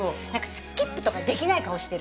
スキップとかできない顔してる。